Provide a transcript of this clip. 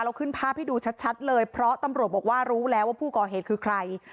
ขึ้นภาพให้ดูชัดเลยเพราะตำรวจบอกว่ารู้แล้วว่าผู้ก่อเหตุคือใคร